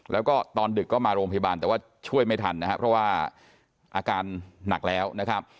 แล้วก็ตอนดึกก็มาโรงพยาบาลแต่ว่าช่วยไม่ทันนะครับเพราะว่าอาการหนักแล้วนะครับ